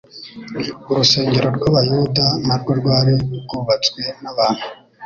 urusengero rw'Abayuda na rwo rwari rwarubatswe n'abantu;